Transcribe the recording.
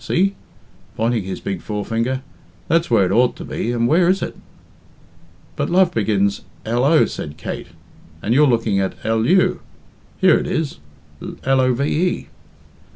"See," pointing his big forefinger, "that's where it ought to be, and where is it?" "But love begins lo," said Kate, "and you're looking at lu. Here it is love."